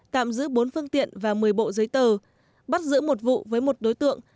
tạm giữ bốn phương tiện và một mươi bộ giấy tờ bắt giữ một vụ với một đối tượng